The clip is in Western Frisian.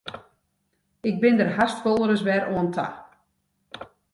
Ik bin der hast wolris wer oan ta.